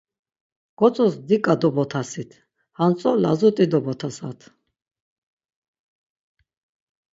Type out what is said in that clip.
Gotzos diǩa dobotasit, hantzo lazut̆i dobotasat.